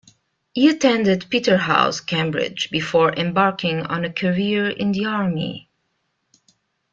He attended Peterhouse, Cambridge before embarking on a career in the army.